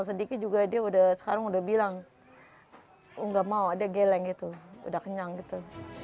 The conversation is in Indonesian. sedikit juga dia udah sekarang udah bilang oh nggak mau dia geleng gitu udah kenyang gitu